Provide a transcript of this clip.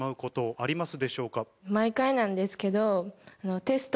毎回なんですけど。